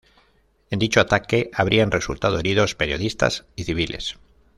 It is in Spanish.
En dicho ataque habrían resultado heridos periodistas y civiles.